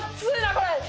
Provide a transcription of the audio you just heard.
これ。